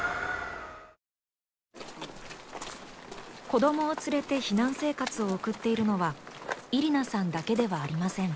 子どもを連れて避難生活を送っているのはイリナさんだけではありません。